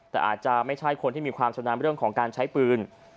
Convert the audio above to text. แต่อาจจะไม่ใช่คนที่มีความชำนาญเรื่องของการใช้ปืน